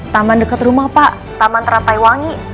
taman deket rumah pak taman taratewangi